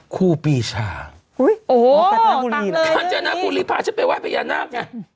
คู่ปีชาโอ้โหตังเลยขาชาชนักกุฐิพย์พาชไปไว้พญานัก